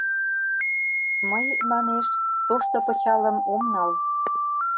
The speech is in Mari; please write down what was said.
— Мый, манеш, тошто пычалым ом нал.